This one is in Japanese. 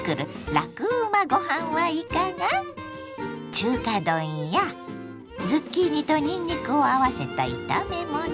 中華丼やズッキーニとにんにくを合わせた炒めもの。